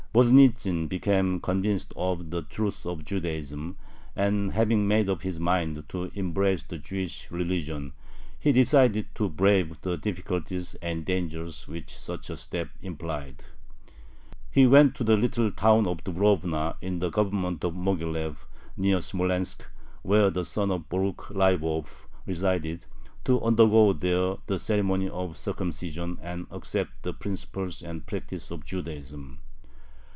Voznitzin became convinced of the truth of Judaism, and, having made up his mind to embrace the Jewish religion, he decided to brave the difficulties and dangers which such a step implied. He went to the little town of Dubrovna, in the Government of Moghilev, near Smolensk, where the son of Borukh Leibov resided, to undergo there the ceremony of circumcision and accept the principles and practices of Judaism.